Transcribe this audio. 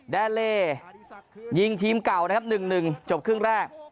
แดดเล่ยิงทีมเก่านะครับหนึ่งหนึ่งจบครึ่งแรก